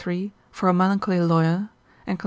for a melancholy lawyer, and consil.